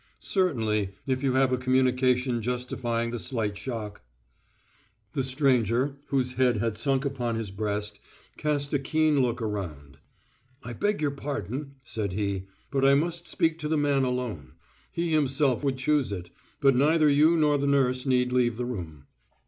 "Certainly, if you have a communication justifying the slight shock." The stranger, whose head had sunk upon his breast, cast a keen look around. "I beg your pardon," said he, "but I must speak to the man alone; he himself would choose it, but neither you nor the nurse need leave the room."